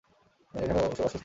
এখানে ও অস্বস্তিবোধ করছে।